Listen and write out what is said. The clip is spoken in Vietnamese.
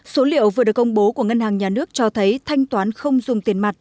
số liệu vừa được công bố của ngân hàng nhà nước cho thấy thanh toán không dùng tiền mặt